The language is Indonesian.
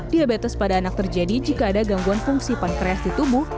diabetes pada anak terjadi jika ada gangguan fungsi pankreas di tubuh